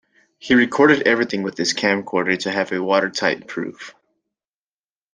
He recorded everything with his camcorder to have a watertight proof.